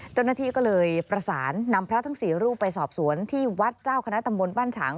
เจ้าหน้าที่ก็เลยประสานนำพระทั้ง๔รูปไปสอบสวนที่วัดเจ้าคณะตำบลบ้านฉาง